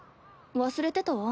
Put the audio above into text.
忘れてたわ。